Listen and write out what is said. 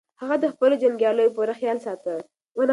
هغه د خپلو جنګیالیو پوره خیال ساته.